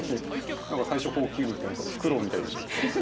何か最初ホー吸入って何かフクロウみたいでしたけど。